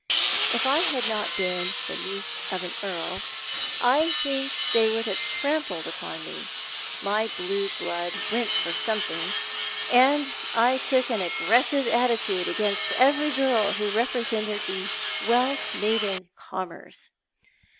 If I had not been the niece of an Earl, I think they would have trampled upon me. My blue blood went for something, and I took an aggres sive attitude against every girl who represented the wealth made in commerce.